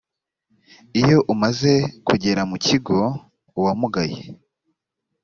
iyo amaze kugera mu kigo uwamugaye